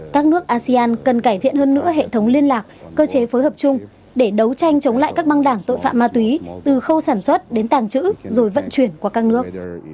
các nước asean cần cải thiện hơn nữa hệ thống liên lạc cơ chế phối hợp chung để đấu tranh chống lại các băng đảng tội phạm ma túy từ khâu sản xuất đến tàng trữ rồi vận chuyển qua các nước